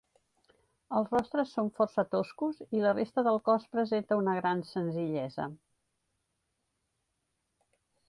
Els rostres són força toscos i la resta del cos presenta una gran senzillesa.